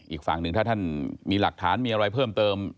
อีกฝั่งหนึ่งถ้าท่านมีหลักฐานมีอะไรเพิ่มเติม